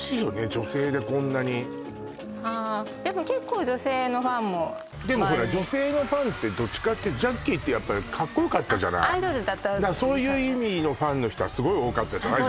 女性でこんなにああでも結構女性のファンもでもほら女性のファンってどっちかっていうとジャッキーってやっぱりカッコよかったじゃないアイドルだったっていうそういう意味のファンの人はすごい多かったじゃない？